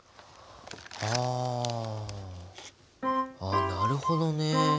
ああなるほどね。